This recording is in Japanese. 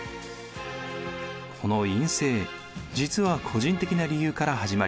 この院政実は個人的な理由から始まりました。